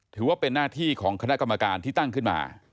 ถือว่าเป็นหน้าที่ของคณะกรรมการที่ตั้งขึ้นมา